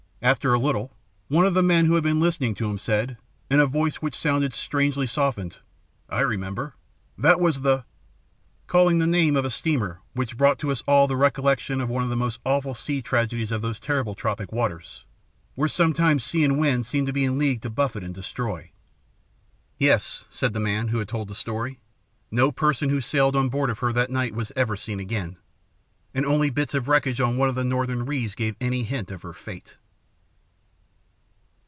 After a little, one of the men who had been listening to him said, in a voice which sounded strangely softened: "I remember. That was the ," calling the name of a steamer which brought to us all the recollection of one of the most awful sea tragedies of those terrible tropic waters, where sometimes sea and wind seem to be in league to buffet and destroy. "Yes," said the man who had told the story. "No person who sailed on board of her that night was ever seen again; and only bits of wreckage on one of the northern reefs gave any hint of her fate."